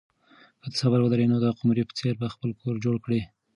که ته صبر ولرې نو د قمرۍ په څېر به خپل کور جوړ کړې.